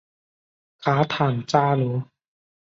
卡坦扎罗。